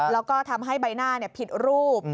แล้วก็ทำให้ใบหน้าผิดรูป